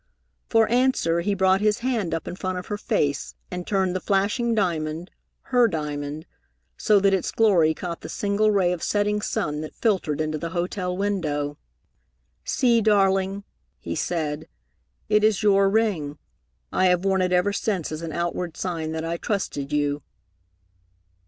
For answer he brought his hand up in front of her face and turned the flashing diamond her diamond so that its glory caught the single ray of setting sun that filtered into the hotel window. "See, darling," he said. "It is your ring. I have worn it ever since as an outward sign that I trusted you."